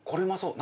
何？